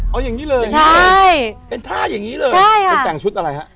เอาอย่างงี้เลยใช่เป็นท่าอย่างงี้เลยใช่อ่ะแต่งชุดอะไรฮะ